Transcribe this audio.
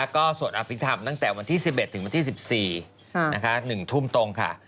ก็สวดอภิษฐรรมตั้งแต่วันที่๑๑ถึงวันที่๑๔๑ทุ่มตรงค่ะ